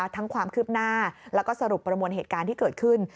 ความคืบหน้าแล้วก็สรุปประมวลเหตุการณ์ที่เกิดขึ้น